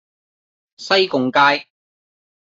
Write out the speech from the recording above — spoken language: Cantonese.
西貢街